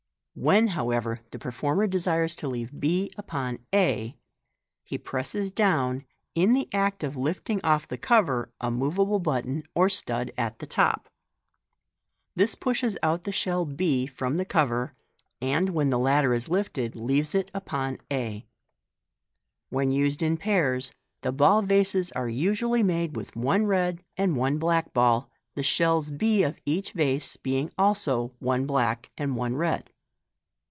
When, however, the performer desires to leave b upon a, he presses down, in the act of lifting off the cover, a moveable button or stud at the top. This pushes out the shell b from the cover, and, when the latter is lifted, leaves it upon a. When used in pairs, the ball vases are usually made with one red and one black ball, the shells b of each vase being also one black and one red.